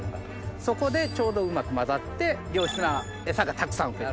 そこでちょうどうまく混ざって良質なエサがたくさん増える。